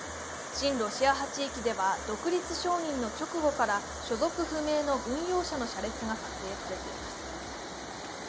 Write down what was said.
親ロシア派地域では独立承認の直後から所属不明の軍用車の車列が撮影されています。